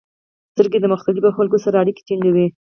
• سترګې د مختلفو خلکو سره اړیکه ټینګوي.